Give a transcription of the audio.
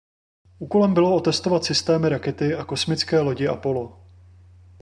Úkolem bylo otestovat systémy rakety a kosmické lodi Apollo.